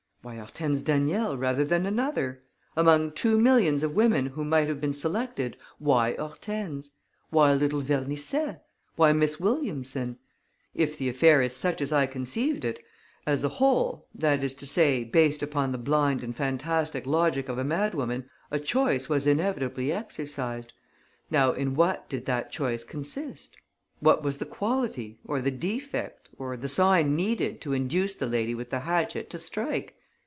Why Hortense Daniel rather than another? Among two millions of women who might have been selected, why Hortense? Why little Vernisset? Why Miss Williamson? If the affair is such as I conceived it, as a whole, that is to say, based upon the blind and fantastic logic of a madwoman, a choice was inevitably exercised. Now in what did that choice consist? What was the quality, or the defect, or the sign needed to induce the lady with the hatchet to strike?